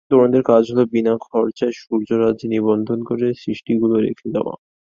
তরুণদের কাজ হলো বিনা খরচায় সূর্যরাজ্যে নিবন্ধন করে সৃষ্টিগুলো রেখে দেওয়া।